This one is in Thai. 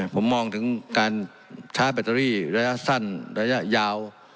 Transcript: ผมมองถึงการชาร์จแบตเตอรี่ระยะสั้นระยะยาว